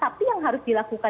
tapi yang harus dilakukan